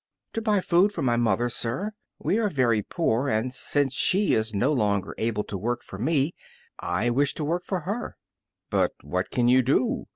"To buy food for my mother, sir. We are very poor, and since she is no longer able to work for me I wish to work for her." "But what can you do?"